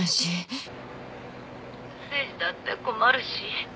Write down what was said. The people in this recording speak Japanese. ☎誠治だって困るし。